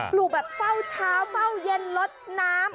ลูกแบบเฝ้าเช้าเฝ้าเย็นลดน้ำ